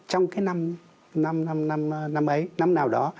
trong cái năm năm năm năm ấy năm nào đó